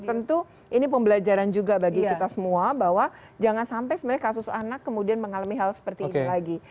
tentu ini pembelajaran juga bagi kita semua bahwa jangan sampai sebenarnya kasus anak kemudian mengalami hal seperti ini lagi